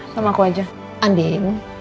sama aku aja anding